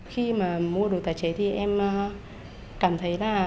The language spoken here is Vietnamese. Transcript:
khi mà mua đồ tái chế thì em cảm thấy là